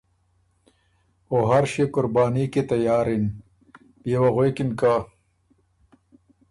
او هر ݭيې قرباني کی تیارِن۔ بيې وه غوېکِن که :ـ